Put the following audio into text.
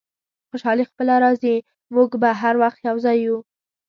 خوشحالي خپله راځي، موږ به هر وخت یو ځای یو.